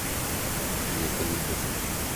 Piekr?tu.